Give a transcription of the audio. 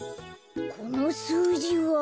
このすうじは。